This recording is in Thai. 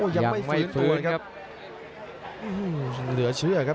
ยังไม่ฟื้นครับ